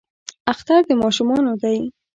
اختر د ماشومانو دی